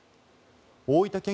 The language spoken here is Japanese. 大分県